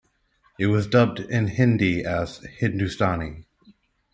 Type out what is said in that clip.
It was dubbed in Hindi as "Hindustani".